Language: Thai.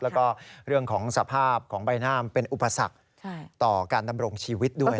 แล้วก็เรื่องของสภาพของใบหน้ามันเป็นอุปสรรคต่อการดำรงชีวิตด้วย